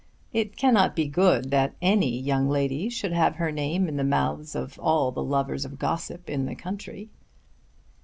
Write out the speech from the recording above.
It cannot be good that any young lady should have her name in the mouths of all the lovers of gossip in the country."